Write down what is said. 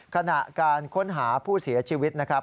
ขณะการค้นหาผู้เสียชีวิตนะครับ